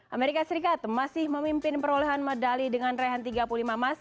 amerika serikat masih memimpin perolehan medali dengan rehan tiga puluh lima emas